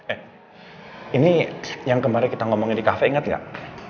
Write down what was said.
eh ini yang kemarin kita ngomongin di cafe ingat gak